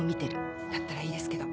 だったらいいですけど。